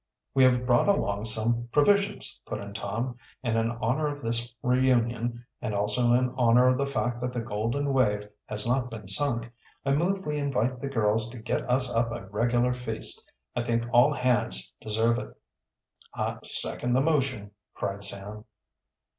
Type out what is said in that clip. "We have brought along some provisions," put in Tom. "And in honor of this reunion, and also in honor of the fact that the Golden 'Wave has not been sunk, I move we invite the girls to get us up a regular feast. I think all bands deserve it." "Second the motion!" cried Sam.